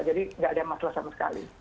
jadi nggak ada masalah sama sekali